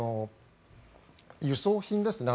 輸送品ですね。